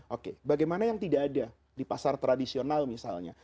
oke bagaimana yang tidak ada di pasar tradisional misalnya